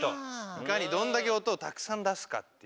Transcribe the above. いかにどんだけおとをたくさんだすかっていう。